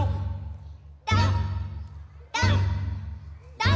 どん！